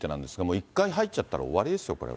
一回入っちゃったら、終わりですよ、これは。